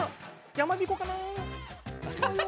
やまびこかな？